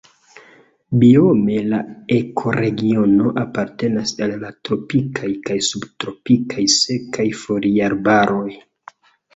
Biome la ekoregiono apartenas al la tropikaj kaj subtropikaj sekaj foliarbaroj.